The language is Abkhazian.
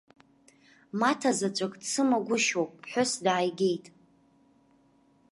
Маҭа заҵәык дсымагәышьоуп, ԥҳәыс дааигеит.